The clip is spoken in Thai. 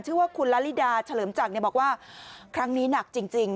ชื่อว่าคุณละลิดาเฉลิมจักรบอกว่าครั้งนี้หนักจริง